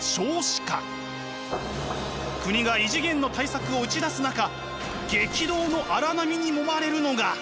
国が異次元の対策を打ち出す中激動の荒波にもまれるのが。